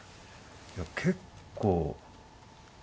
いや結構。